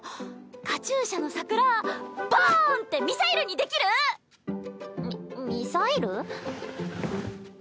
カチューシャの桜ボンってミサイルにできる？ミミサイル？